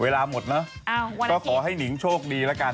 เวลาหมดเนอะก็ขอให้หนิงโชคดีแล้วกัน